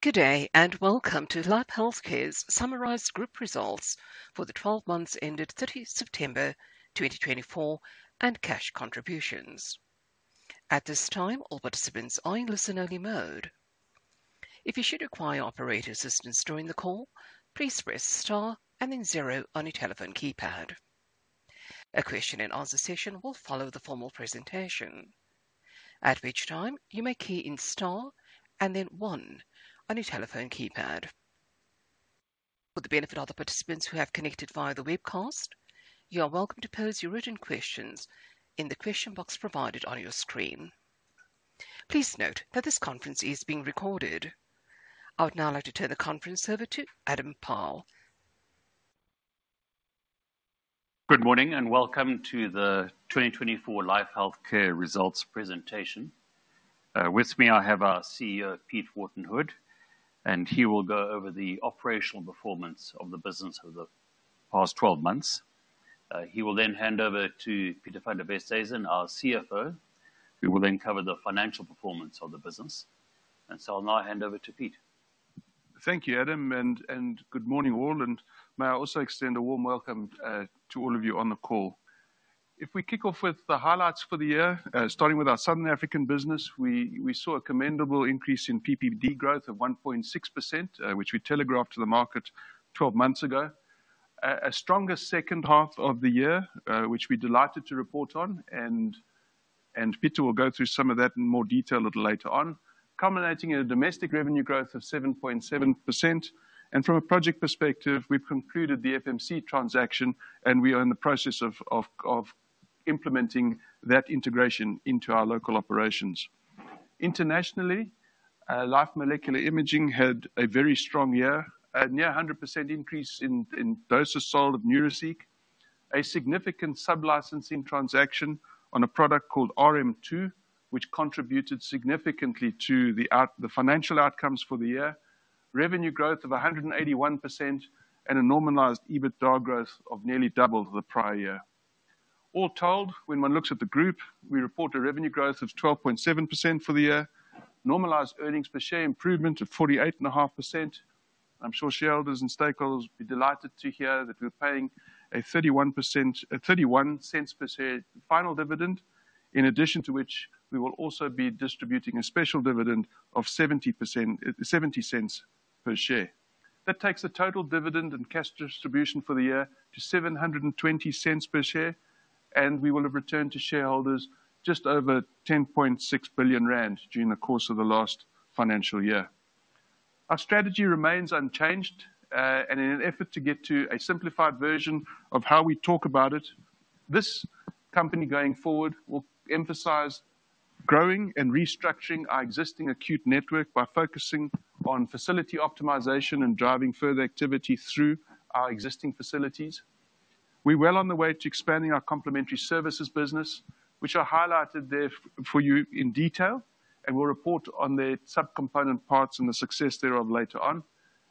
Good day and welcome to Life Healthcare's summarized group results for the 12 months ended 30 September 2024 and cash contributions. At this time, all participants are in listen-only mode. If you should require operator assistance during the call, please press star and then zero on your telephone keypad. A question-and-answer session will follow the formal presentation, at which time you may key in star and then one on your telephone keypad. For the benefit of the participants who have connected via the webcast, you are welcome to pose your written questions in the question box provided on your screen. Please note that this conference is being recorded. I would now like to turn the conference over to Adam Pyle. Good morning and welcome to the 2024 Life Healthcare results presentation. With me, I have our CEO, Peter Wharton-Hood, and he will go over the operational performance of the business over the past 12 months. He will then hand over to Pieter van der Westhuizen, our CFO. We will then cover the financial performance of the business, and so I'll now hand over to Peter. Thank you, Adam, and good morning all. May I also extend a warm welcome to all of you on the call. If we kick off with the highlights for the year, starting with our Southern African business, we saw a commendable increase in PPD growth of 1.6%, which we telegraphed to the market 12 months ago. A stronger second half of the year, which we're delighted to report on, and Pieter will go through some of that in more detail a little later on, culminating in a domestic revenue growth of 7.7%. From a project perspective, we've concluded the FMC transaction, and we are in the process of implementing that integration into our local operations. Internationally, Life Molecular Imaging had a very strong year, a near 100% increase in dose of sold of Neuraceq, a significant sub-licensing transaction on a product called RM2, which contributed significantly to the financial outcomes for the year, revenue growth of 181%, and a normalized EBITDA growth of nearly double the prior year. All told, when one looks at the group, we report a revenue growth of 12.7% for the year, normalized earnings per share improvement of 48.5%. I'm sure shareholders and stakeholders will be delighted to hear that we're paying a 0.31 per share final dividend, in addition to which we will also be distributing a special dividend of 0.70 per share. That takes the total dividend and cash distribution for the year to 720 cents per share, and we will have returned to shareholders just over 10.6 billion rands during the course of the last financial year. Our strategy remains unchanged, and in an effort to get to a simplified version of how we talk about it, this company going forward will emphasize growing and restructuring our existing acute network by focusing on facility optimization and driving further activity through our existing facilities. We're well on the way to expanding our complementary services business, which I highlighted there for you in detail, and we'll report on the subcomponent parts and the success thereof later on,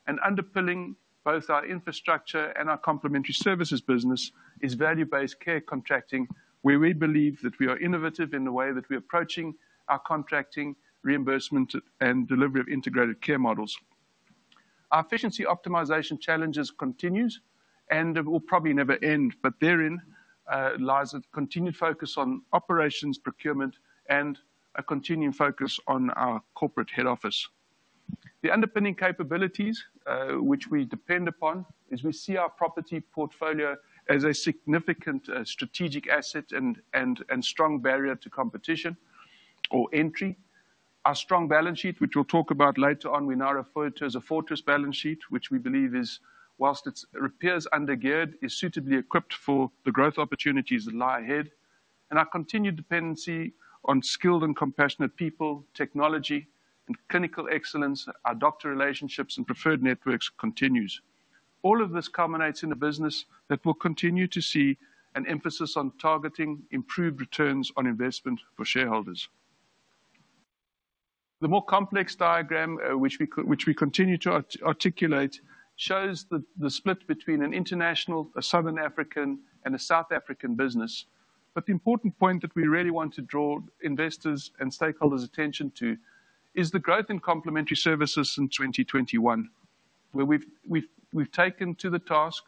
and underpinning both our infrastructure and our complementary services business is value-based care contracting, where we believe that we are innovative in the way that we're approaching our contracting, reimbursement, and delivery of integrated care models. Our efficiency optimization challenges continue, and will probably never end, but therein lies a continued focus on operations, procurement, and a continuing focus on our corporate head office. The underpinning capabilities which we depend upon is we see our property portfolio as a significant strategic asset and strong barrier to competition or entry. Our strong balance sheet, which we'll talk about later on, we now refer to as a fortress balance sheet, which we believe is, while it appears undergeared, is suitably equipped for the growth opportunities that lie ahead. And our continued dependency on skilled and compassionate people, technology, and clinical excellence, our doctor relationships, and preferred networks continues. All of this culminates in a business that will continue to see an emphasis on targeting improved returns on investment for shareholders. The more complex diagram, which we continue to articulate, shows the split between an international, a Southern African, and a South African business. But the important point that we really want to draw investors and stakeholders' attention to is the growth in complementary services in 2021, where we've taken to the task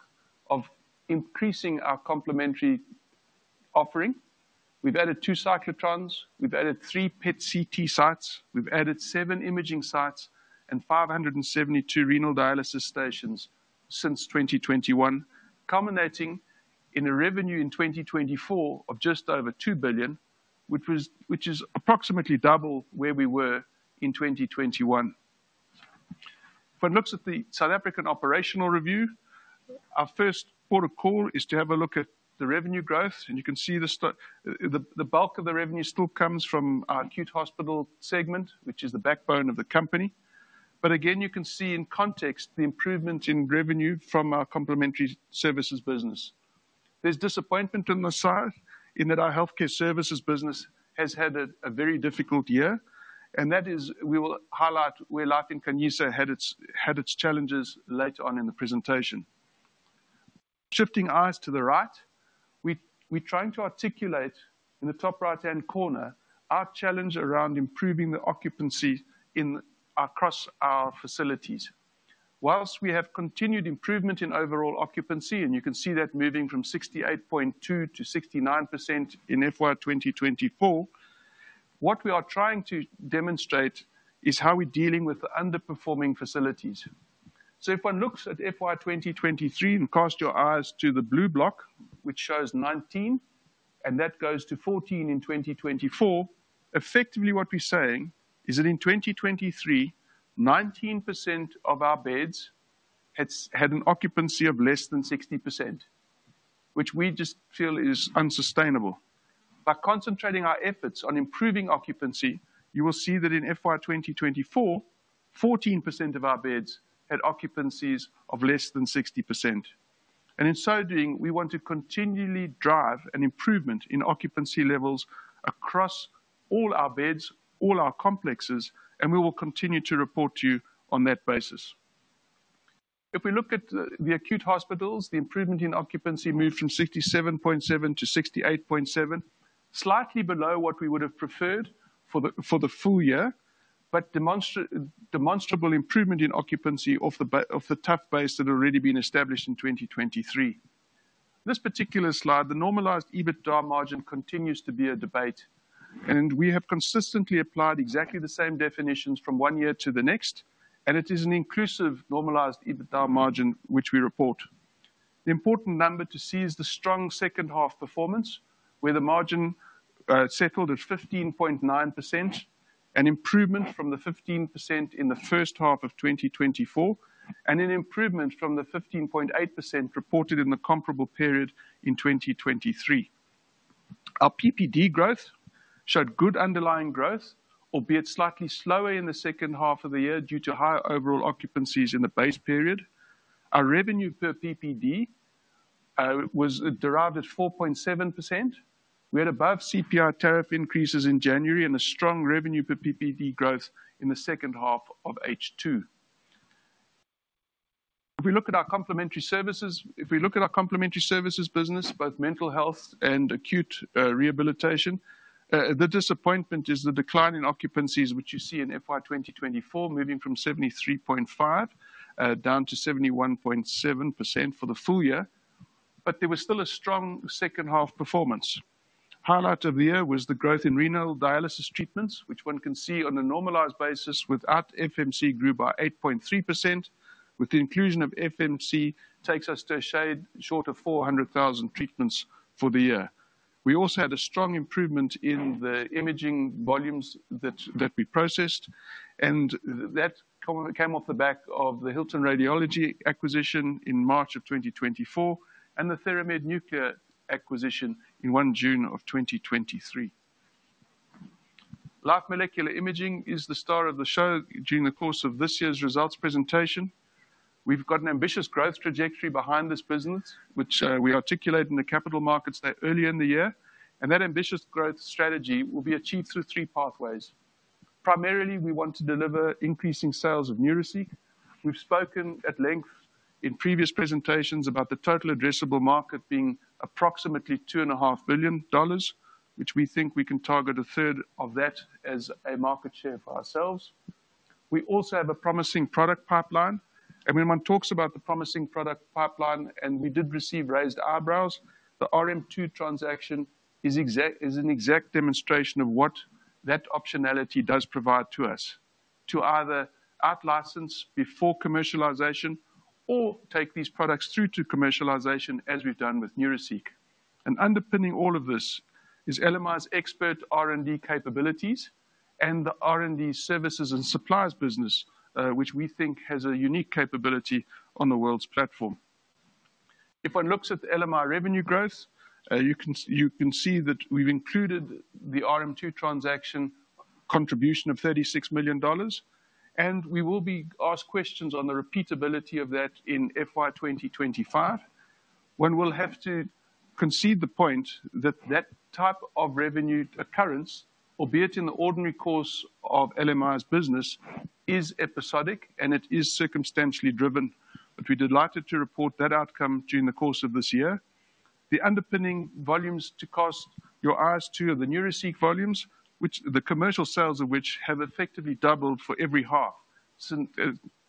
of increasing our complementary offering. We've added two cyclotrons, we've added three PET-CT sites, we've added seven imaging sites, and 572 renal dialysis stations since 2021, culminating in a revenue in 2024 of just over R2 billion, which is approximately double where we were in 2021. If one looks at the South African operational review, our first port of call is to have a look at the revenue growth, and you can see the bulk of the revenue still comes from our acute hospital segment, which is the backbone of the company. But again, you can see in context the improvement in revenue from our complementary services business. There's disappointment in the south in that our healthcare services business has had a very difficult year, and that is, we will highlight where Life Nkanyisa had its challenges later on in the presentation. Shifting eyes to the right, we're trying to articulate in the top right-hand corner our challenge around improving the occupancy across our facilities. While we have continued improvement in overall occupancy, and you can see that moving from 68.2% to 69% in FY 2024, what we are trying to demonstrate is how we're dealing with underperforming facilities. So if one looks at FY 2023 and casts your eyes to the blue block, which shows 19%, and that goes to 14% in 2024, effectively what we're saying is that in 2023, 19% of our beds had an occupancy of less than 60%, which we just feel is unsustainable. By concentrating our efforts on improving occupancy, you will see that in FY 2024, 14% of our beds had occupancies of less than 60%. And in so doing, we want to continually drive an improvement in occupancy levels across all our beds, all our complexes, and we will continue to report to you on that basis. If we look at the acute hospitals, the improvement in occupancy moved from 67.7% to 68.7%, slightly below what we would have preferred for the full year, but demonstrable improvement in occupancy of the tough base that had already been established in 2023. This particular slide, the normalized EBITDA margin continues to be a debate, and we have consistently applied exactly the same definitions from one year to the next, and it is an inclusive normalized EBITDA margin which we report. The important number to see is the strong second half performance, where the margin settled at 15.9%, an improvement from the 15% in the first half of 2024, and an improvement from the 15.8% reported in the comparable period in 2023. Our PPD growth showed good underlying growth, albeit slightly slower in the second half of the year due to higher overall occupancies in the base period. Our revenue per PPD was derived at 4.7%. We had above CPR tariff increases in January and a strong revenue per PPD growth in the second half of H2. If we look at our complementary services, if we look at our complementary services business, both mental health and acute rehabilitation, the disappointment is the decline in occupancies which you see in FY 2024 moving from 73.5% to 71.7% for the full year, but there was still a strong second half performance. Highlight of the year was the growth in renal dialysis treatments, which one can see on a normalized basis without FMC grew by 8.3%. With the inclusion of FMC, it takes us to a shade short of 400,000 treatments for the year. We also had a strong improvement in the imaging volumes that we processed, and that came off the back of the Hilton Radiology acquisition in March of 2024 and the Theramed Nuclear acquisition in June of 2023. Life Molecular Imaging is the star of the show during the course of this year's results presentation. We've got an ambitious growth trajectory behind this business, which we articulated in the capital markets earlier in the year, and that ambitious growth strategy will be achieved through three pathways. Primarily, we want to deliver increasing sales of Neuraceq. We've spoken at length in previous presentations about the total addressable market being approximately $2.5 billion, which we think we can target a third of that as a market share for ourselves. We also have a promising product pipeline, and when one talks about the promising product pipeline and we did receive raised eyebrows, the RM2 transaction is an exact demonstration of what that optionality does provide to us, to either outlicense before commercialization or take these products through to commercialization as we've done with Neuraceq. Underpinning all of this is LMI's expert R&D capabilities and the R&D services and suppliers business, which we think has a unique capability on the world's platform. If one looks at LMI revenue growth, you can see that we've included the RM2 transaction contribution of $36 million, and we will be asked questions on the repeatability of that in FY 2025. One will have to concede the point that that type of revenue occurrence, albeit in the ordinary course of LMI's business, is episodic and it is circumstantially driven, but we're delighted to report that outcome during the course of this year. The underpinning volumes that catch your eye are the Neuraceq volumes, which the commercial sales of which have effectively doubled for every half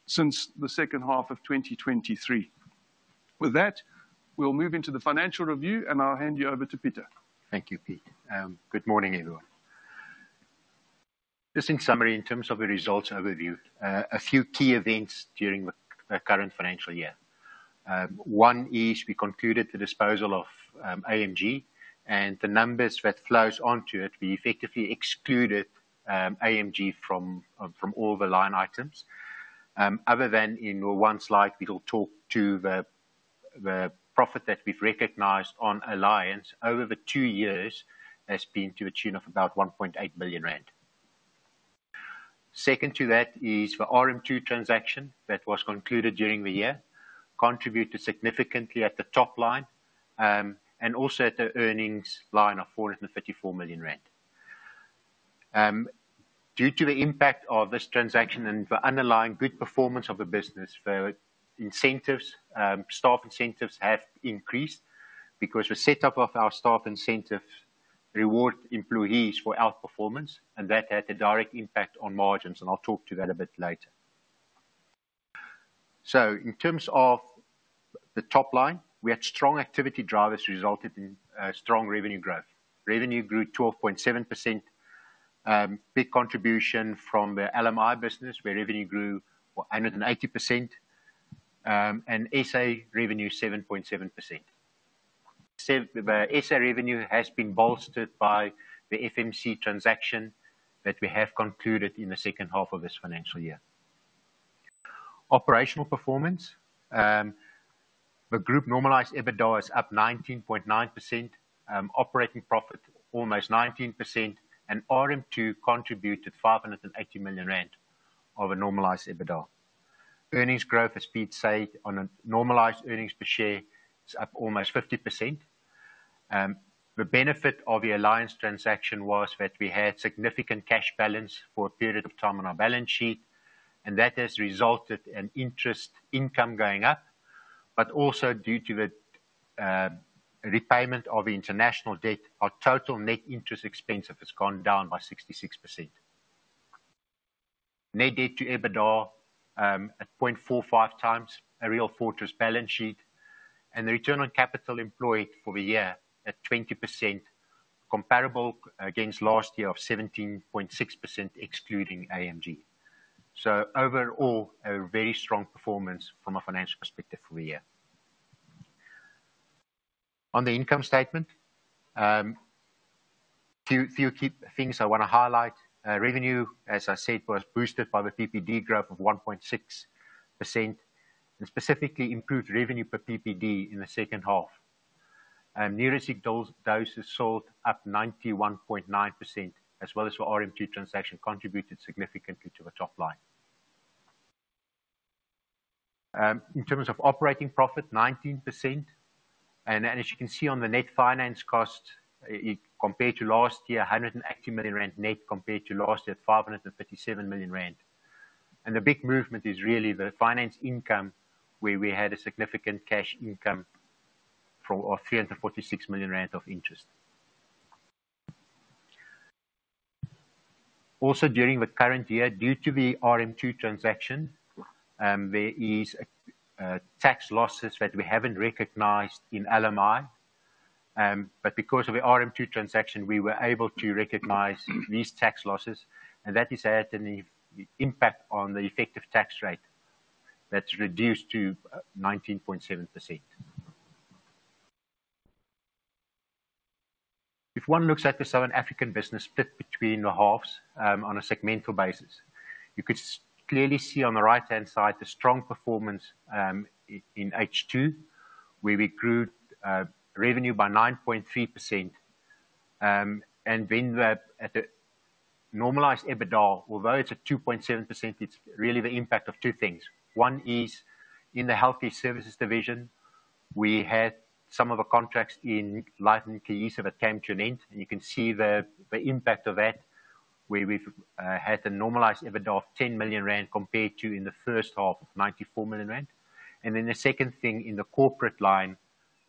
since the second half of 2023. With that, we'll move into the financial review, and I'll hand you over to Pieter. Thank you, Peter. Good morning, everyone. Just in summary, in terms of the results overview, a few key events during the current financial year. One is we concluded the disposal of AMG, and the numbers that flows onto it, we effectively excluded AMG from all the line items. Other than in one slide, we'll talk to the profit that we've recognized on Alliance over the two years has been to a tune of about 1.8 billion rand. Second to that is the RM2 transaction that was concluded during the year, contributed significantly at the top line and also at the earnings line of 434 million rand. Due to the impact of this transaction and the underlying good performance of the business, the incentives, staff incentives have increased because the setup of our staff incentives rewards employees for outperformance, and that had a direct impact on margins, and I'll talk to that a bit later. So in terms of the top line, we had strong activity drivers resulting in strong revenue growth. Revenue grew 12.7%, big contribution from the LMI business where revenue grew 180%, and SA revenue 7.7%. SA revenue has been bolstered by the FMC transaction that we have concluded in the second half of this financial year. Operational performance, the group normalized EBITDA is up 19.9%, operating profit almost 19%, and RM2 contributed 580 million rand of a normalized EBITDA. Earnings growth as Peter said on normalized earnings per share is up almost 50%. The benefit of the Alliance transaction was that we had significant cash balance for a period of time on our balance sheet, and that has resulted in interest income going up, but also due to the repayment of international debt, our total net interest expenses have gone down by 66%. Net debt to EBITDA at 0.45 times a real fortress balance sheet, and the return on capital employed for the year at 20%, comparable against last year of 17.6% excluding AMG. So overall, a very strong performance from a financial perspective for the year. On the income statement, a few key things I want to highlight. Revenue, as I said, was boosted by the PPD growth of 1.6%, and specifically improved revenue per PPD in the second half. Neuraceq doses sold up 91.9%, as well as the RM2 transaction contributed significantly to the top line. In terms of operating profit, 19%, and as you can see on the net finance cost compared to last year, 180 million rand net compared to last year at 537 million rand. And the big movement is really the finance income where we had a significant cash income of 346 million rand of interest. Also during the current year, due to the RM2 transaction, there are tax losses that we haven't recognized in LMI, but because of the RM2 transaction, we were able to recognize these tax losses, and that has had an impact on the effective tax rate that's reduced to 19.7%. If one looks at the Southern African business split between the halves on a segmental basis, you could clearly see on the right-hand side the strong performance in H2, where we grew revenue by 9.3%, and then at the normalized EBITDA, although it's at 2.7%, it's really the impact of two things. One is in the healthcare services division, we had some of the contracts in Life Nkanyisa that came to an end, and you can see the impact of that, where we've had a normalized EBITDA of 10 million rand compared to in the first half of 94 million rand. And then the second thing in the corporate line,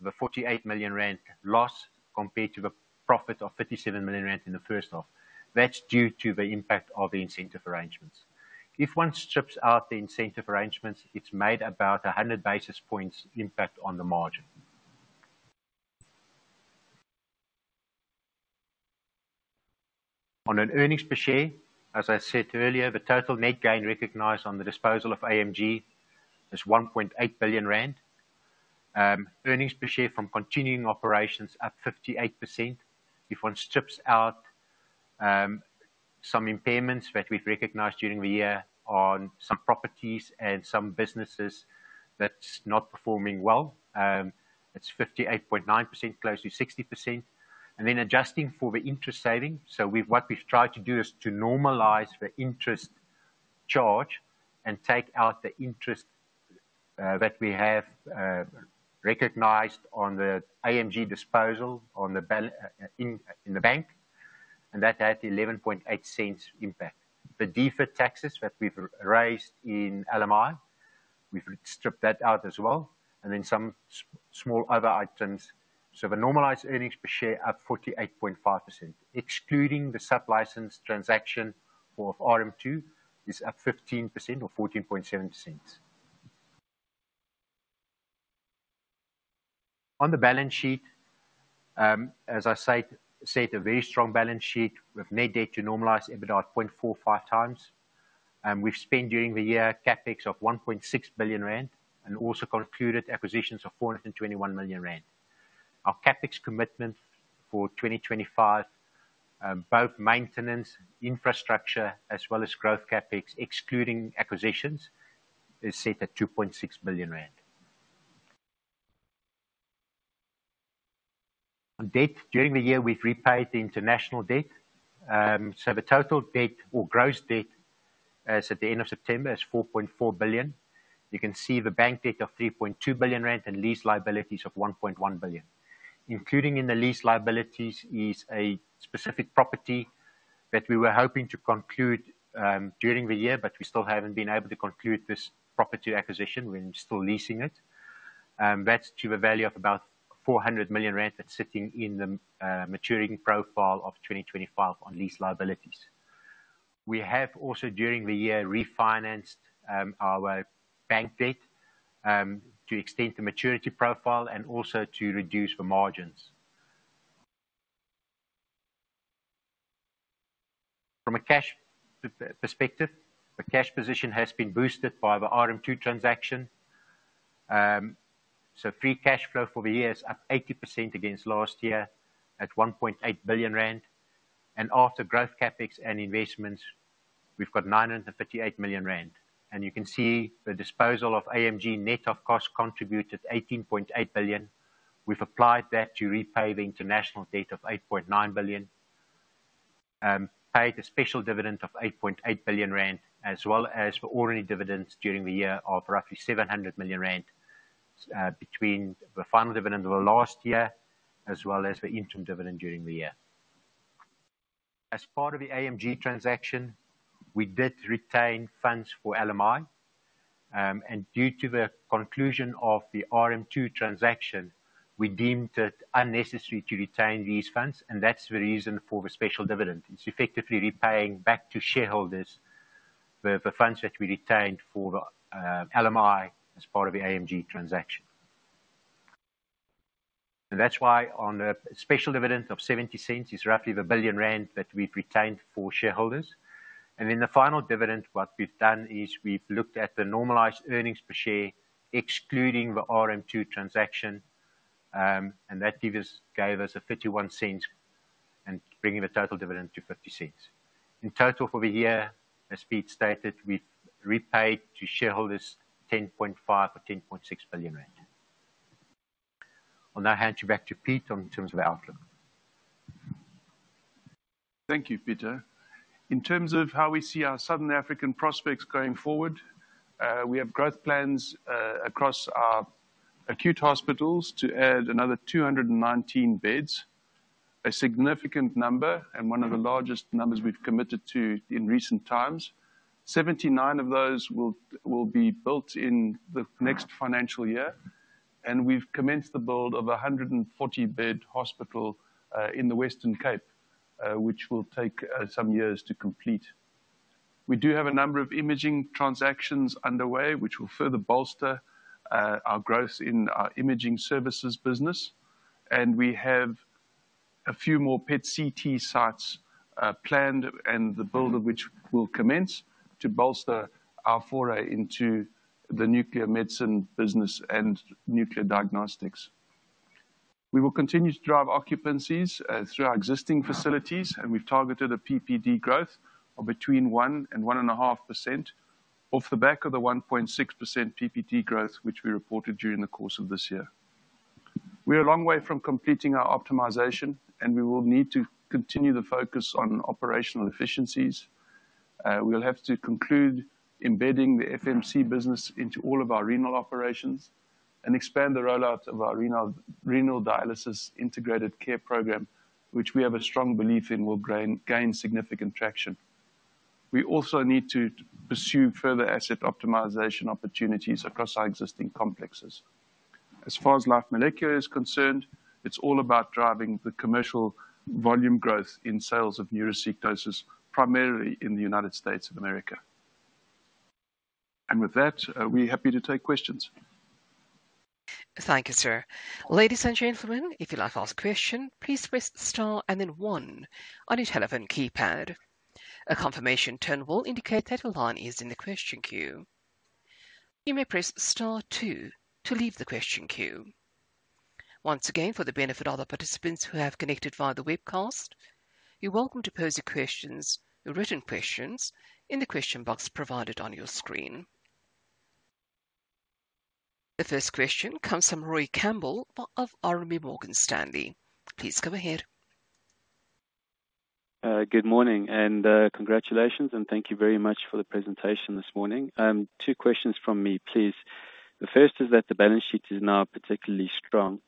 the 48 million rand loss compared to the profit of 57 million rand in the first half. That's due to the impact of the incentive arrangements. If one strips out the incentive arrangements, it's made about 100 basis points impact on the margin. On an earnings per share, as I said earlier, the total net gain recognized on the disposal of AMG is 1.8 billion rand. Earnings per share from continuing operations up 58%. If one strips out some impairments that we've recognized during the year on some properties and some businesses that's not performing well, it's 58.9%, close to 60%. And then adjusting for the interest saving, so what we've tried to do is to normalize the interest charge and take out the interest that we have recognized on the AMG disposal in the bank, and that had 11.8 cents impact. The deferred taxes that we've raised in LMI, we've stripped that out as well, and then some small other items. So the normalized earnings per share are 48.5 cents. Excluding the sub-license transaction of RM2 is up 15% or 14.7%. On the balance sheet, as I said, a very strong balance sheet with net debt to normalised EBITDA at 0.45 times. We've spent during the year CapEx of 1.6 billion rand and also concluded acquisitions of 421 million rand. Our CapEx commitment for 2025, both maintenance, infrastructure, as well as growth CapEx, excluding acquisitions, is set at 2.6 billion rand. On debt, during the year we've repaid the international debt. So the total debt or gross debt as at the end of September is 4.4 billion. You can see the bank debt of 3.2 billion rand and lease liabilities of 1.1 billion. Including in the lease liabilities is a specific property that we were hoping to conclude during the year, but we still haven't been able to conclude this property acquisition. We're still leasing it. That's to the value of about 400 million rand that's sitting in the maturing profile of 2025 on lease liabilities. We have also during the year refinanced our bank debt to extend the maturity profile and also to reduce the margins. From a cash perspective, the cash position has been boosted by the RM2 transaction. So free cash flow for the year is up 80% against last year at 1.8 billion rand. And after growth CapEx and investments, we've got 958 million rand. And you can see the disposal of AMG net of cost contributed 18.8 billion. We've applied that to repay the international debt of 8.9 billion, paid a special dividend of 8.8 billion rand, as well as the ordinary dividends during the year of roughly 700 million rand between the final dividend of the last year as well as the interim dividend during the year. As part of the AMG transaction, we did retain funds for LMI, and due to the conclusion of the RM2 transaction, we deemed it unnecessary to retain these funds, and that's the reason for the special dividend. It's effectively repaying back to shareholders the funds that we retained for LMI as part of the AMG transaction. That's why the special dividend of R0.70 is roughly R1 billion that we've retained for shareholders. Then the final dividend, what we've done is we've looked at the normalized earnings per share excluding the RM2 transaction, and that gave us R0.51 and bringing the total dividend to R1.21. In total for the year, as Peter stated, we've repaid to shareholders R10.5 billion or R10.6 billion. I'll now hand you back to Peter in terms of the outlook. Thank you, Pieter. In terms of how we see our Southern African prospects going forward, we have growth plans across our acute hospitals to add another 219 beds, a significant number and one of the largest numbers we've committed to in recent times. 79 of those will be built in the next financial year, and we've commenced the build of a 140-bed hospital in the Western Cape, which will take some years to complete. We do have a number of imaging transactions underway, which will further bolster our growth in our imaging services business, and we have a few more PET-CT sites planned and the build of which will commence to bolster our foray into the nuclear medicine business and nuclear diagnostics. We will continue to drive occupancies through our existing facilities, and we've targeted a PPD growth of between one and 1.5% off the back of the 1.6% PPD growth which we reported during the course of this year. We're a long way from completing our optimization, and we will need to continue the focus on operational efficiencies. We'll have to conclude embedding the FMC business into all of our renal operations and expand the rollout of our renal dialysis integrated care program, which we have a strong belief in will gain significant traction. We also need to pursue further asset optimization opportunities across our existing complexes. As far as Life Molecular is concerned, it's all about driving the commercial volume growth in sales of Neuraceq, primarily in the United States of America, and with that, we're happy to take questions. Thank you, sir. Ladies and gentlemen, if you'd like to ask a question, please press Star and then One on your telephone keypad. A confirmation tone will indicate that a line is in the question queue. You may press Star Two to leave the question queue. Once again, for the benefit of the participants who have connected via the webcast, you're welcome to pose your questions, your written questions, in the question box provided on your screen. The first question comes from Roy Campbell of RMB Morgan Stanley. Please go ahead. Good morning and congratulations, and thank you very much for the presentation this morning. Two questions from me, please. The first is that the balance sheet is now particularly strong,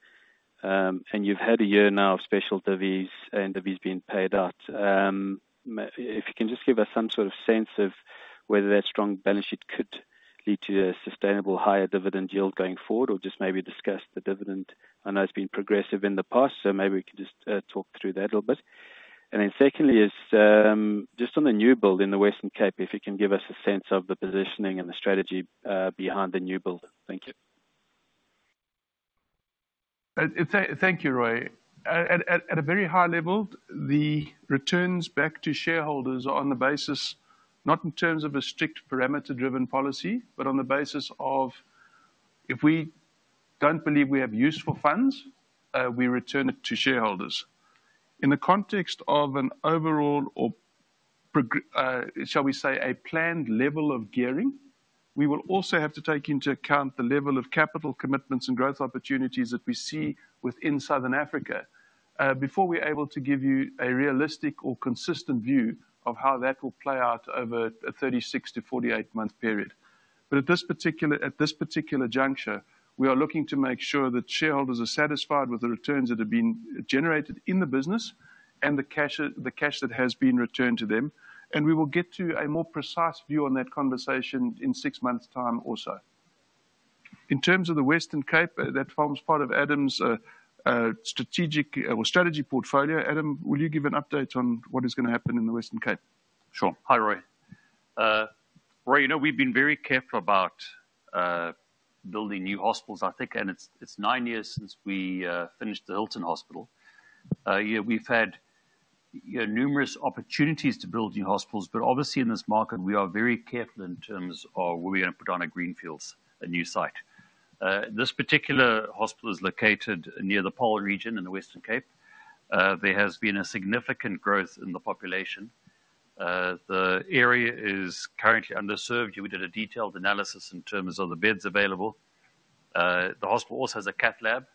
and you've had a year now of special divvies and divvies being paid out. If you can just give us some sort of sense of whether that strong balance sheet could lead to a sustainable higher dividend yield going forward, or just maybe discuss the dividend. I know it's been progressive in the past, so maybe we can just talk through that a little bit, and then secondly is just on the new build in the Western Cape, if you can give us a sense of the positioning and the strategy behind the new build. Thank you. Thank you, Roy. At a very high level, the returns back to shareholders are on the basis, not in terms of a strict parameter-driven policy, but on the basis of if we don't believe we have useful funds, we return it to shareholders. In the context of an overall, or shall we say, a planned level of gearing, we will also have to take into account the level of capital commitments and growth opportunities that we see within Southern Africa before we're able to give you a realistic or consistent view of how that will play out over a 36- to 48-month period. But at this particular juncture, we are looking to make sure that shareholders are satisfied with the returns that have been generated in the business and the cash that has been returned to them, and we will get to a more precise view on that conversation in six months' time or so. In terms of the Western Cape, that forms part of Adam's strategic or strategy portfolio. Adam, will you give an update on what is going to happen in the Western Cape? Sure. Hi, Roy. Roy, you know we've been very careful about building new hospitals, I think, and it's nine years since we finished the Hilton Hospital. We've had numerous opportunities to build new hospitals, but obviously in this market, we are very careful in terms of where we're going to put on a greenfields, a new site. This particular hospital is located near the Paarl region in the Western Cape. There has been a significant growth in the population. The area is currently underserved. We did a detailed analysis in terms of the beds available. The hospital also has a cath lab,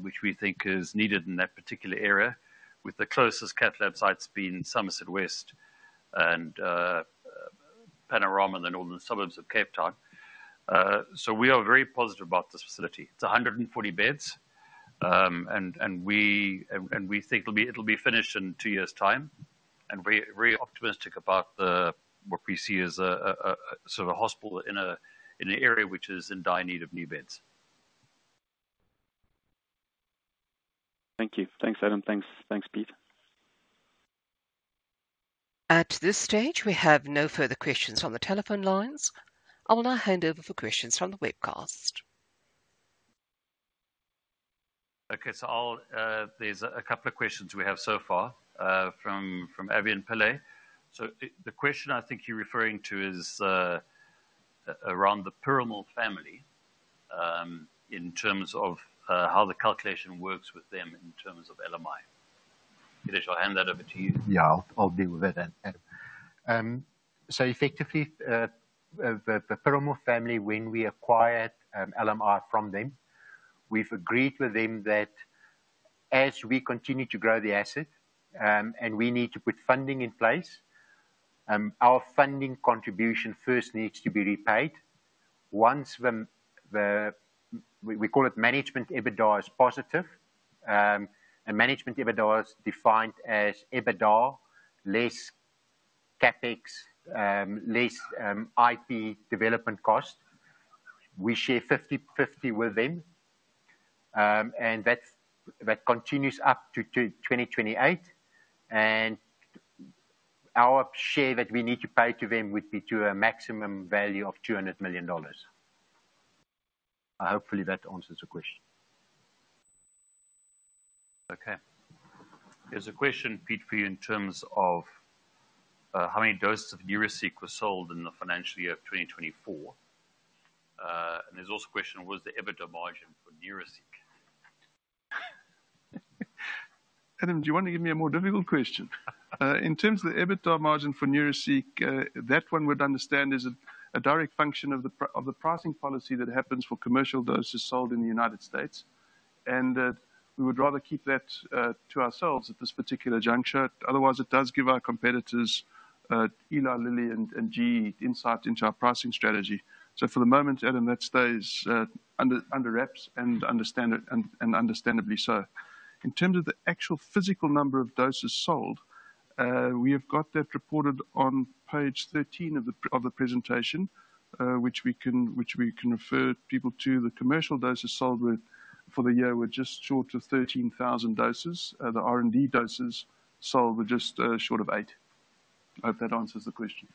which we think is needed in that particular area, with the closest cath lab sites being Somerset West and Panorama and then all the suburbs of Cape Town. So we are very positive about this facility. It's 140 beds, and we think it'll be finished in two years' time, and we're very optimistic about what we see as a sort of hospital in an area which is in dire need of new beds. Thank you. Thanks, Adam. Thanks, Peter. At this stage, we have no further questions on the telephone lines. I will now hand over for questions from the webcast. Okay, so there's a couple of questions we have so far from Evan Pyle. So the question I think you're referring to is around the Piramal family in terms of how the calculation works with them in terms of LMI. Pieter, shall I hand that over to you? Yeah, I'll deal with that. So effectively, the Piramal family, when we acquired LMI from them, we've agreed with them that as we continue to grow the asset and we need to put funding in place, our funding contribution first needs to be repaid. Once the, we call it management EBITDA is positive, and management EBITDA is defined as EBITDA less CapEx, less IP development cost, we share 50/50 with them, and that continues up to 2028. And our share that we need to pay to them would be to a maximum value of $200 million. Hopefully, that answers the question. Okay. There's a question, Peter, for you in terms of how many doses of Neuraceq were sold in the financial year of 2024. And there's also a question, what was the EBITDA margin for Neuraceq? Adam, do you want to give me a more difficult question? In terms of the EBITDA margin for Neuraceq, that one we'd understand is a direct function of the pricing policy that happens for commercial doses sold in the United States, and we would rather keep that to ourselves at this particular juncture. Otherwise, it does give our competitors, Eli Lilly and GE, insight into our pricing strategy. So for the moment, Adam, that stays under wraps and understandably so. In terms of the actual physical number of doses sold, we have got that reported on page 13 of the presentation, which we can refer people to. The commercial doses sold for the year were just short of 13,000 doses. The R&D doses sold were just short of eight. I hope that answers the question.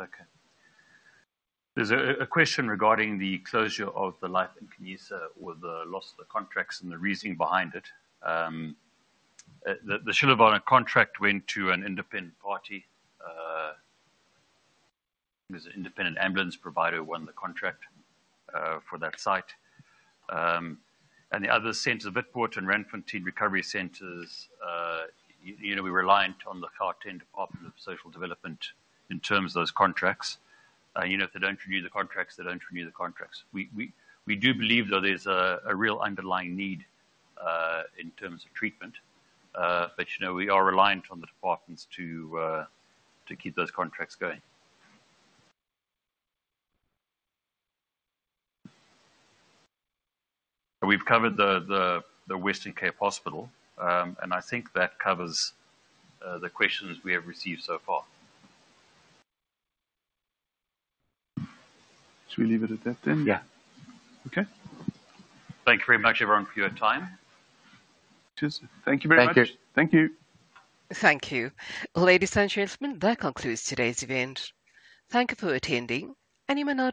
Okay. There's a question regarding the closure of the Life Nkanyisa or the loss of the contracts and the reasoning behind it. The Cullinan contract went to an independent party. There's an independent ambulance provider who won the contract for that site. And the other centers, Witpoort and Randfontein Recovery Centres, you know we're reliant on the Gauteng Department of Social Development in terms of those contracts. You know if they don't renew the contracts, they don't renew the contracts. We do believe, though, there's a real underlying need in terms of treatment, but you know we are reliant on the departments to keep those contracts going. We've covered the Western Cape Hospital, and I think that covers the questions we have received so far. Shall we leave it at that then? Yeah. Okay. Thank you very much, everyone, for your time. Cheers. Thank you very much. Thank you. Thank you. Ladies and gentlemen, that concludes today's event. Thank you for attending, and you may now.